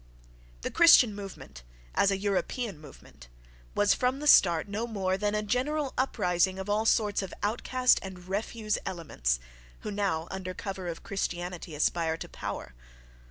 The Christian movement, as a European movement, was from the start no more than a general uprising of all sorts of outcast and refuse elements (—who now, under cover of Christianity, aspire to power).